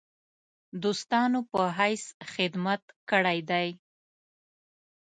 دوستانو په حیث خدمت کړی دی.